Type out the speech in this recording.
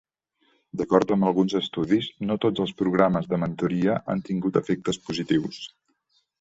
D'acord amb alguns estudis, no tots els programes de mentoria han tingut efectes positius.